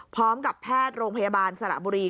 พร้อมกับแพทย์โรงพยาบาลสระบุรี